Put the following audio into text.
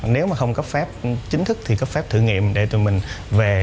nếu mà không cấp phép chính thức thì cấp phép thử nghiệm để tụi mình về